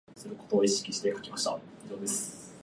フリーアドレス